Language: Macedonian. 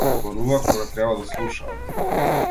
Зборуваат кога треба да слушаат.